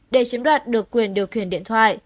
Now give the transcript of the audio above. để chếm đoạt được quyền điều khiển điện thoại